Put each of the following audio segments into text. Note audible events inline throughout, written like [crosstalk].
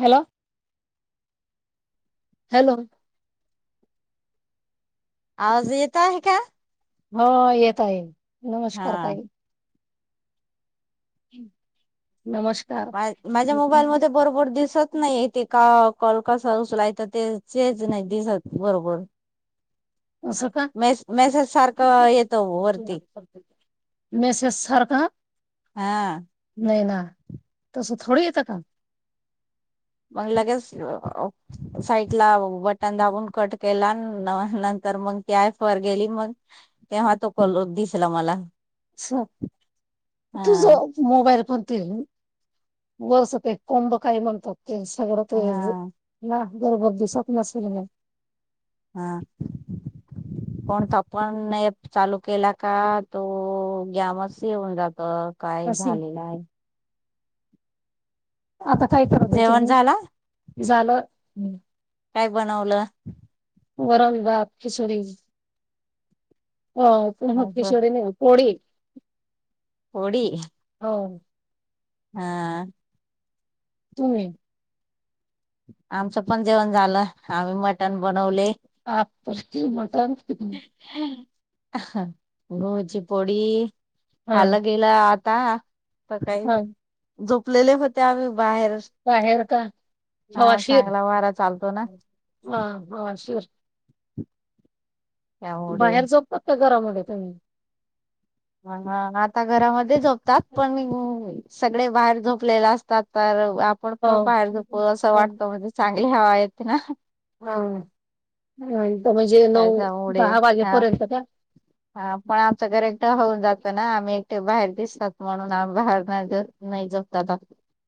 Hello hello आवाज येतो आहे का हा येत आहे नमस्कार हा. ताई हम् मा माझ्या मोबाईल मध्ये बरोबर दिसत नाही तिथ का कल कसा उचलाय तर तेच नाही दिसत बरोबर स का मेस मेसेज सारखं येतो वरती मेसेज सर का हा नाही ना तसं थोड येतं काम मग लगेच साईड ला बटन दाबून कट केला नंतर मग ती आय फर गेली मग तेव्हा तो दिसला मला हा तुझ मोबाईल पण वरस का कोंब काय म्हणतात इशगर त हेज हा ना गर्भगती सवपना सर हा कोणता पण प चालू केला का तो गॅमस येऊन जात काय अशी झालेलं आहे आता काय कर त्याचे जेवण हे. झाला? झालं. काय बनवलं? वरण भात किशोरी हो पुमग किशोरीने कोडी होडी. हो. हा. तुम्ही आमचं पण जेवण झालं आम्ही मटण बनवले. [unintelligible] [unintelligible] गव्हाची पोडी हां, अला गेला आ [unintelligible] म काय हां. जो लेले होते आम्ही बाहेर बाहेर का हा हवाशीर चांगला वारा चालतो ना हा हवाशीर. त्यामुळे बाहेर झोपतात का घरामध्ये. [unintelligible] हा हा आता घरामध्ये झोप तात पण मी सगळे बाहेर झोपलेले असतात तर आपण पण हो. बाहेर जो असं हां, वाटत म्हणजे चांगली हवा ये ना. हा हा हा. त्याचा उढ हा का? हा पण आमच करेक्ट होऊन जात ना आम्ही एकटे बाहेर दिसतात म्हणून आम्ही बाहेर नाही नाही जात दादा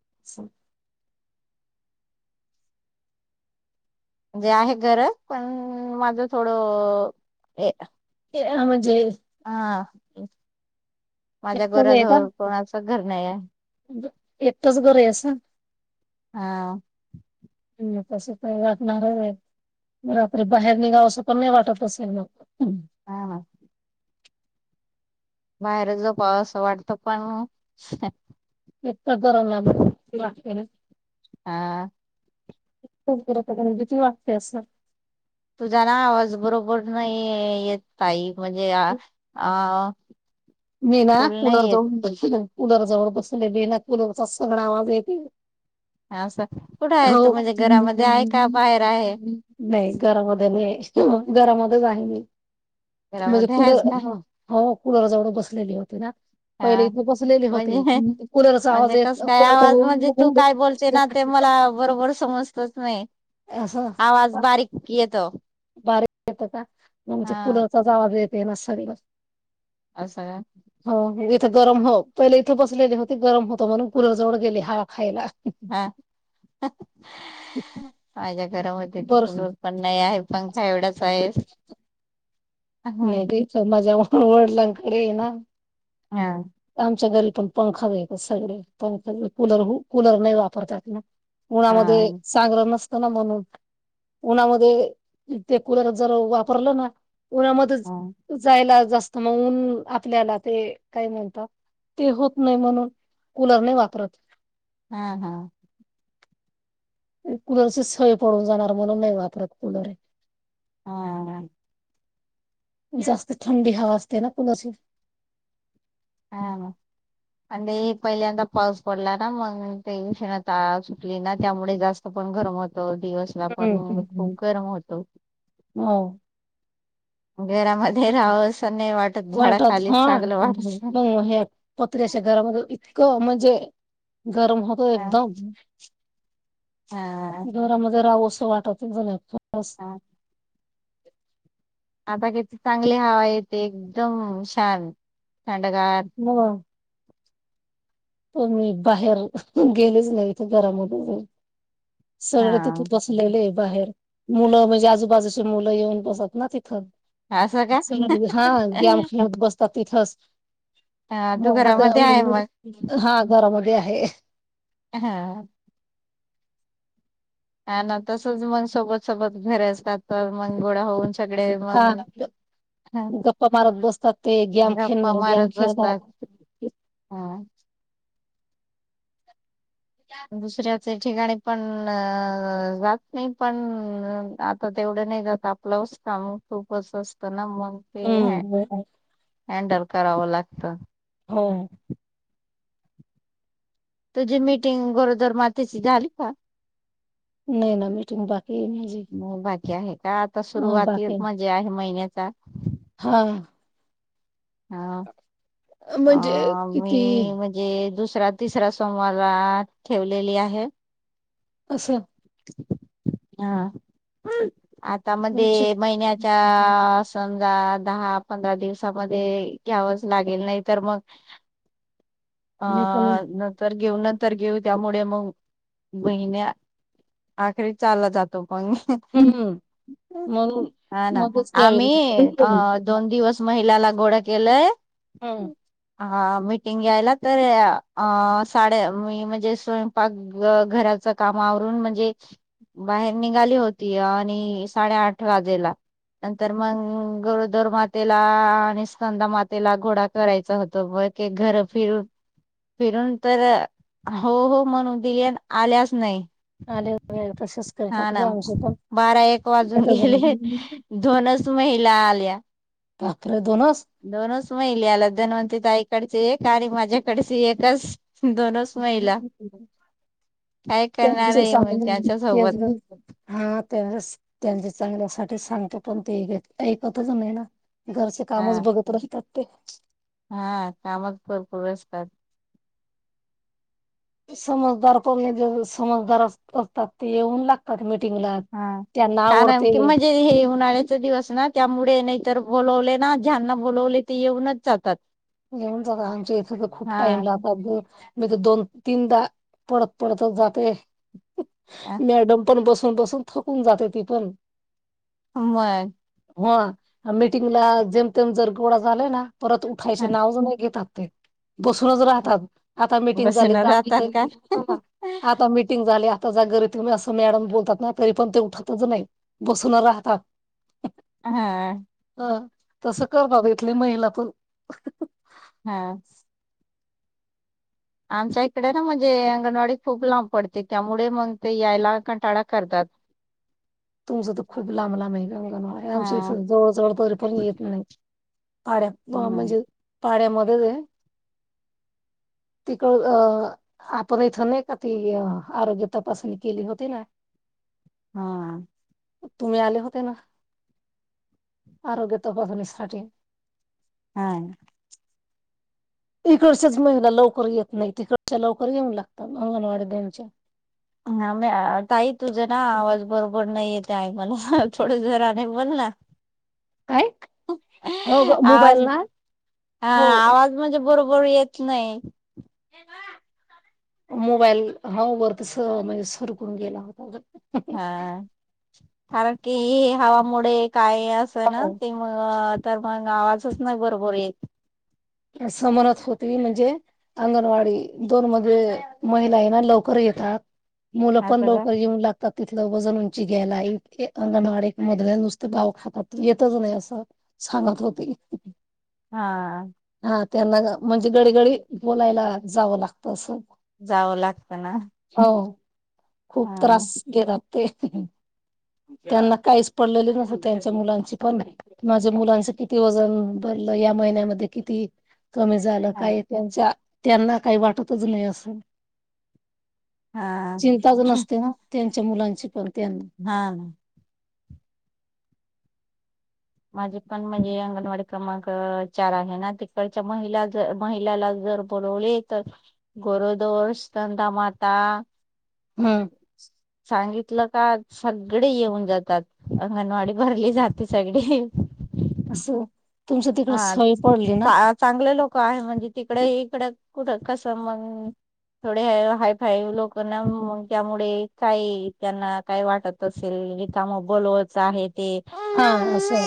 [unintelligible] म्हणजे आहे घर पण माझं थोडं हे हे ये म्हणजे [unintelligible] माझ्या एकटंच आहे का? घराजवळ कोणाचं घर नाही आहे. एकटच घर आहे असं हा. तस काही वाटणार आहे होय रात्री बाहेर निघाव असं पण नाही वाटत असेल मग. हम्म. हा हा बाहेर झोपावं अस वाटत पण एकट जरा लांब हा म्हणजे तिथं भिती वाटते असं तुझा ना आवाज बरोबर नाही येत ताई म्हणजे आ आ मी ना कुलर जवळ बसेल ये कुलरजवळ बसले बिना कुलरचा सगळा आवाज येते असं कुठं आहे हो तू म्हणजे घरामध्ये आहे का बाहेर आहे -नाही घरामध्ये नाहीये घरामध्ये वाहिनी म्हणजे घरामध्ये कूल आहेस का हो कुलर जवळ बस नेली होती ना पहिले हा इथे बसलेली होती म्हणजे कूलरचा आवाज -म्हणजे येत कस काय आवाज म्हणजे तू काय बोलते ना ते मला बरोबर समजत होय असं आवाज बारीक येतो? बारीक येत का म्हणजे हा कुलरचाच आवाज येत ते मसाले भाज असं काय? गरम हो, पहिले इथं बसलेले होते गरम होत म्हणून कुलर जवळ गेले हवा खायला हा हा गरम होती तर परस कुलर पण नाही आहे पंखा एवढाच आहे हा हा नाही बाईच मजा वडिलांकडे ये ना हा आमच्या घरी पण पंखा नाय सगळे पंख कुलर, कुलर नाही वापरतात ना - उन्हामध्ये हा चागलं नस? ना म्हणून उन्हामध्ये ते कुलर जर वापरलं ना उन्हामध्येच जायला जास्त मून आपल्याला ते काय म्हण ते होत नाही म्हणून कूलर नाही वापरत हा हा कुलरची सय पडून जाणार म्हणून नाही वापरत कुलर ये. हाहा जास्त थंडी हवा असते ना कुलरची हा आणि ते पहिल्यांदा पाऊस पडला ना मग ते उष्णता सुकली ना त्यामुळे जास्त पण गरम होत द दिवसला पण हम्म हम्म खूप गरम होतो हो घरामध्ये रहावस वाट हा मग पत्र्याच्या घरामध्ये क म्हणजे गरम होतो हा एकदम दरामध्ये राहावस वाटा खूप झाल्यात बस् हा आता किती चांगली हवा येते एकदम छान थंडगार त मी बाहेर गेलेली ज इथं गरम होत ज सगळ हा तिथं बसलेले बाहेर मुलं म्हणजे आजूबाजूची मुलं येऊन बसत ना तिथं असं का हा गेम खेळत बसत तर तिथच हा तू घरामध्ये आहे मग हा घरामध्ये आहे हा ह ना तसच मग सोबत सोबत घरे असतात तर मन गोड होऊन सगळे हा मग गप्पा मारत बसतात ते गॅम गप्पा खेळणार गॅम मारत खेळणार बसतात हा दुसऱ्या त्या ठिकाणी पण जात नाही पण आता तेवढं नाही जात आपलंच काम खूपच असतं ना म ते हाय हम्म हंडल कराव लागत हो तुझी मिटिंग गरोदर मातेची झाली का? नाही ना मीटिंग बाकी आहे माझी क्या हे काय आता हा सुरुवाती बाकी मज्जा आहे महिन्यात चहा हा हा अ म्हणजे किती मी म्हणजे दुस त या तिसऱ्या सोमवारला ठेवलेली आहे. असं हा आता आमची मध्ये महिन्याच्या स दहा दहा पंधरा दिवसामध्ये घ्यावच लागेल नाही तर मग हा मी पण नाहीतर घेऊ नंतर घेऊ त्यामुळे मग महिन्या आखरी चालला जातो हम्म म्हणून हा ना मगच घ्यावे आम्ही अ लागतात दोन दिवस म्हहि पिल्याला गोडं केलंय. [unintelligible] हा मीटिंग घ्यायला तर साडे मी म्हणजे स्वयंपाक, घराचं काम म आवरून म्हणजे बाहेर निघाली होती आणि साडेआठ वाजेला नंतर मग गरोदर मातेला आणि स्कंदा मातेला घोडा करायचा होतो बकी घर फिरून फिरून तर हो हो म्हणून दिली आणि आल्याच नाही. आले वगैरे तसेच हा करतात ग ना आमचे पण बारा एक वाजून येतच गेले नाही दोनच महिला आल्या भाकरे दोनच दोनच महिल्या आल्या धनवती ताई तीकडचे एक आणि माझ्याकडचे एकच दोनच महिला का त्यांच चांग हा [unintelligible] त्याचाच चांगलं आता सांगतो पण ते हे ऐकतचं नाही ना. घरचे हा कामच बघत राहतात. ते हा कामच भरपूर असतात समजदार पोरगी जर समजदार असतात ते येऊन लागतात म हा कारण कि म्हणजे हे उन्हाळ्याचे दिवस ना. त्यामुळे नाही तर बोलवले ना ज्यांना बोलवले ते येऊनच जातात. घेऊन जातात आमच्या इथं तर खूप टाइम हा लागतो. मी ते दोन तीनदा पळत पळतच जाते. मॅडम. पण बसून बसून थकून जाते ती पण अम माय. ह मीटिंगला जेमतेम जर गोळा झाला ना परत खायचं नाव नाही घेतात. बसूनच राहतात. आता मिीटिंग झाली बसून राहतात का [unintelligible] आता मिीटिंग झाली. आता जा घरी असं मॅडम बोलतात ना तरी पण ते उठतच नाही बसून राहतात. हा. हा तसं कर बाबा इथले महिला पण हा. आमच्या इकडे ना म्हणजे अंगणवाडी खूप लांब पडते त्यामुळे मग ते यायला कंटाळा करतात. तुमचं तर खूप लांबला अंगणवाड्या हा आमशी जवळजवळ तरी पण येत नाही. पाड्या हम्म. म्हणजे पाड्यामध्ये [unintelligible] तिक अ आपण इथ नाही का ती आरोग्य तपासणी केली होती ना. हा तुम्ही आले होते ना आरोग्य तपासणीसाठी हा. हि कडच्याच महिला लवकर येत नाही तिकडच्या लवकर येऊन लागतात अंगणवाडी त्यांच्या आम्ही तई तुझा ना आवाज बरोबर नाही येत. टाईमला थोडा जोराने बोल ना. काय हो आवाज मोबाईल ना हा हो आवाज म्हणजे बरोबर येत नाही. मोबाईल हा वर तस म्हणजे सर करून गेला होता. हाआ कारण की हावा मोडे काय असं ना हो ते मग तर मग आवाजच नाही बरोबर येत. असमनत होती म्हणजे अंगणवाडी दोन मध्ये महिला आहे ना लवकर येतात. मुलं पण असं का लवकर येेऊन लागतात. तिथलं वजन उंची ग्यायला अंगणवाडी मधले नुसते गाव खातात येतच नाही असं सांगत होते. हा- त्यांना म्हणजे गडीगडी बोलायला जावं लागतं असं. जावं लागते ना. हो खूप हा त्रास घेतात. ते त्यांना काहीच पडलेले नस त्यांच्या मुलांची पण माझ्या मुलांचं किती वजन भरलं या महिन्यामध्ये किती कमी झालं हा काय त्यांच्या त्यांना काही वाटतच नाही असं हा चिंताच नसते ना त्यां त्या मुलांची पर हा माझे पण म्हणजे अंगणवाडी क्रमांक चार आहे ना तिकडच्या महिला ज महिलाला जर बोलवले तर गोरोदोषतंदा माता हा सांगि लकात सगडी येऊन जातात अंगणवाडी भरली जाते सगडी ईही असो हा चांगले लोक आहे म्हणजे ते इकड इकडं कुठ कसं मग थोडे हाय फाय लोकना म त्यामुडे काही त्यांना काय वाटत असेल इ काम बोलवच आहे ते हा असं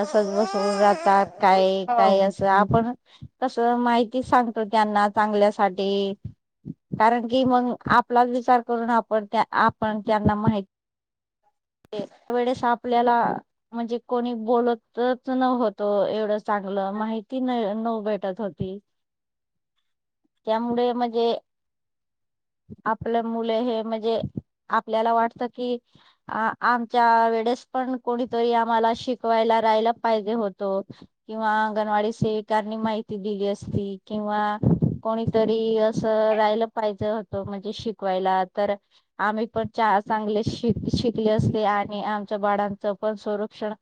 असच बसून जा तात काय हा काय असं आपण तसं माहिती सांगतो त्यांना चांगल्यासाठी कारण की मग आपलाच विचार करून आपण त्या आपण त्यांना माहि वेळेस आपल्याला म्हणजे कोणी बोलतच न होत तो एवढंच चांगलं माहिती नाही नव भेटत होती त्यामुळे म्हणजे आपलं मुले हे म्हणजे आपल्याला वाटत की आ आमच्या वेडेस पण कोणीतरी आम्हाला शिकवायला राहायला पाहिजे होत किंवा अंगणवाडी सेविकांनी माहिती दिली असती किंवा कोणीतरी असं राहिलं पाहिजे होतं म्हणजे शिकवायला तर आम्ही पण च चांगले शिक शिकले असते आणि आमच्या बाडांच पण संरक्षण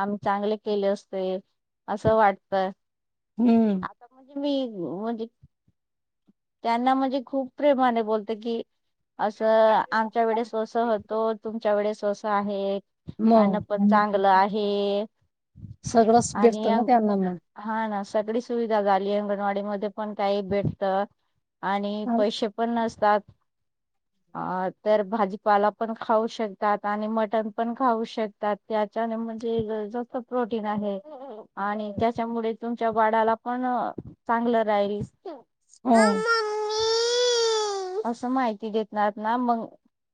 आम्ही चांगले केले अस ते असं वाटतय हम्म मी म्हणजे त्यांना म्हणजे खूप प्रेमाने बोलत की असं आमच्या वेळे अस होतो तुमच्या वेळे अस आहे अन्न मग पण चांगलं आहे सगळंच भेटत आणि ना त्यांना मग हा ना सगडी सुविधा झाली अंग वाडी मध्ये पण काही भेटतं आणि पैसे पण नसतात हा तर भाजी तुपाला पण खाऊ शकतात आणि मटण पण खाऊ शकतात त्याच्याने म्हणजे जास्त प्रोटीन आहे आणि त्याच्यामुळे तुमच्या वाडाला पण चांगलं राहील होम असं माहिती देतणार ना मंग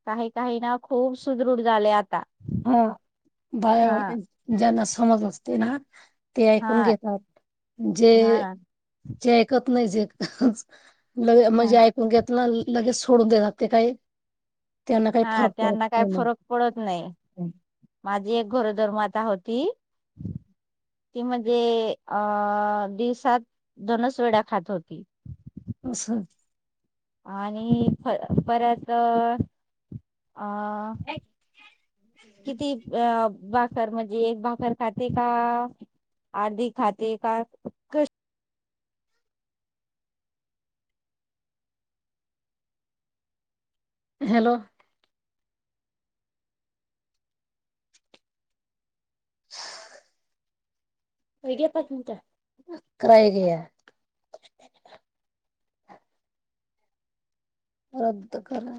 काही काही ना खूप सुदृढ झाले आता हा बाय हा ज्यांना समाज अस ते ना ते ऐकून हा घेतात जे हा ना जे कत नजेक अहक लगे हा मजे ऐकून घेतल न लगे सोडून देतात ते काय हा त्यांना काही फरक पडत नाही माझी एक गोरोदरमाता होती ती म्हणली दिवसात दोनच वेळा खात होती [inaudible] आणि परत अ किती अ बा सर म्हणजे एक भाकरर खाते का अर्धी खाते का हॅलो हो पाच मिट काय ग रद्द करा